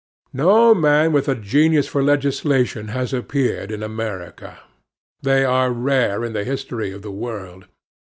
No man with a genius for legislation has appeared in America. They are rare in the history of the world.